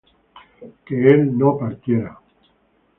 que él no partiera